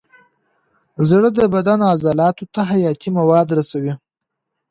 زړه د بدن عضلاتو ته حیاتي مواد رسوي.